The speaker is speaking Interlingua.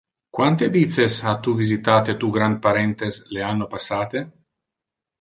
Quante vices ha tu visitate tu granparentes le anno passate?